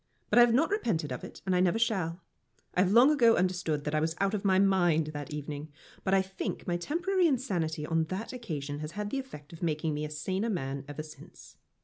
But I have not repented of it, and I never shall. I have long ago understood that I was out of my mind that evening, but I think my temporary insanity on that occasion has had the effect of making me a saner man ever since.